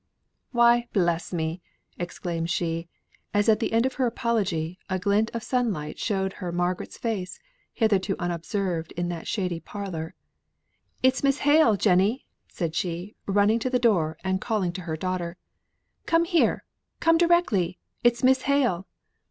"Why, bless me!" exclaimed she, as at the end of her apology a glint of sunshine showed her Margaret's face, hitherto unobserved in that shady parlour. "It's Miss Hale, Jenny," said she, running to the door, and calling to her daughter. "Come here, come directly, it's Miss Hale!"